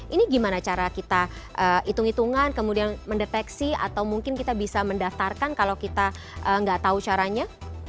ini gimana cara kita hitung hitungan kemudian mendeteksi atau mungkin kita bisa mendaftarkan kalau kita nggak tahu caranya